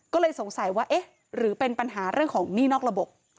ก็เลยสงสัยว่าเอ๊ะหรือเป็นปัญหาเรื่องของหนี้นอกระบบ